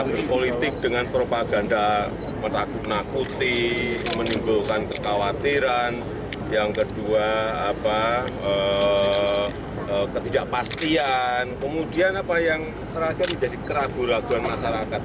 ketidakpastian kemudian apa yang terakhir menjadi keraguan raguan masyarakat